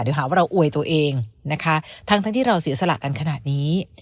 เดี๋ยวหาว่าเราอวยตัวเองนะคะทั้งที่เราเสียสละกันขนาดนี้